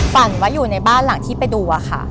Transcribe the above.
ฝันว่าอยู่ในบ้านหลังที่ไปดูอะค่ะ